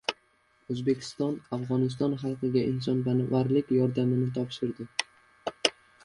O‘zbekiston Afg‘oniston xalqiga insonparvarlik yordamini topshirdi